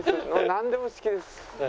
なんでも好きです。